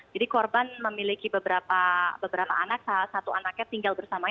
jadi korban memiliki beberapa anak salah satu anaknya tinggal bersamanya